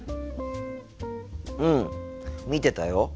うん見てたよ。